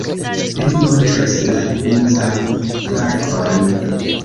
Li montris la princan parkon.